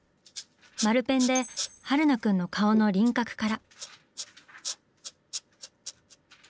丸ペンで榛名くんの顔の輪郭から。